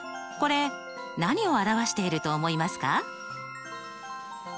これ何を表していると思いますか？